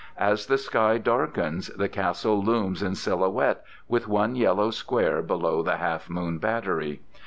As the sky darkens the castle looms in silhouette, with one yellow square below the Half Moon Battery.